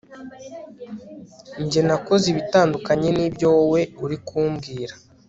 Njye nakoze ibitandukanye nibyo wowe uri kumbwira